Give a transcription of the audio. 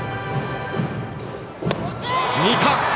見た！